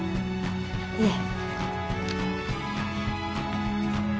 いえ。